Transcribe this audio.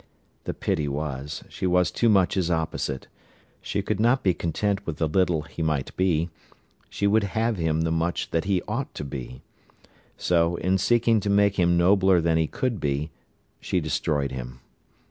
The pity was, she was too much his opposite. She could not be content with the little he might be; she would have him the much that he ought to be. So, in seeking to make him nobler than he could be, she destroyed him.